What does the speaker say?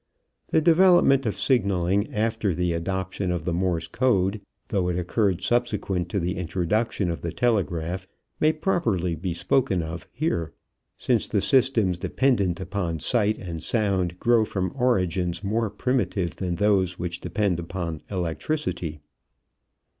The development of signaling after the adoption of the Morse code, though it occurred subsequent to the introduction of the telegraph, may properly be spoken of here, since the systems dependent upon sight and sound grow from origins more primitive than those which depend upon electricity.